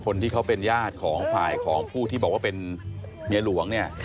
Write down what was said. คนที่เขาเป็นญาติของฝ่ายของผู้ที่บอกว่าเป็นเมียหลวงเนี่ย